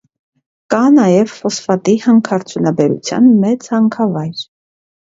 Կա նաև ֆոսֆատի հանքարդյունաբերության մեծ հանքավայր։